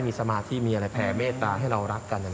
มีสมาธิมีอะไรแผ่เมตตาให้เรารักกัน